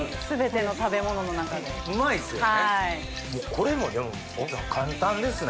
これも奥さん簡単ですね。